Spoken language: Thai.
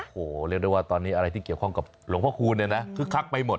โอ้โหเรียกได้ว่าตอนนี้อะไรที่เกี่ยวข้องกับหลวงพ่อคูณเนี่ยนะคึกคักไปหมด